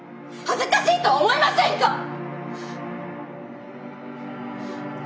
恥ずかしいと思いませんか。